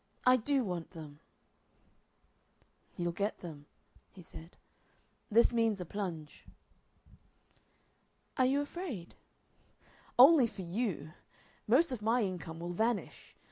I do want them." "You'll get them," he said. "This means a plunge." "Are you afraid?" "Only for you! Most of my income will vanish.